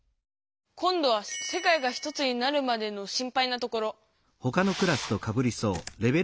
今どは「世界がひとつになるまで」の「心配なところ」。